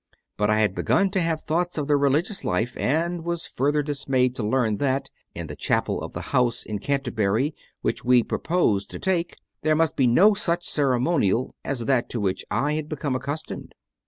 But I had begun to have thoughts of the Religious Life, and was further dis mayed to learn that, in the chapel of the house in Canterbury which we proposed to take, there must be no such ceremonial as that to which I had become accustomed.